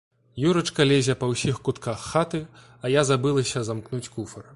Юрачка лезе па ўсіх кутках хаты, а я забылася замкнуць куфар.